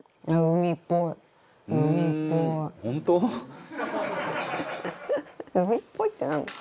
「海っぽい」って何？